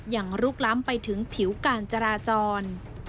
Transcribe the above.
ลุกล้ำไปถึงผิวการจราจร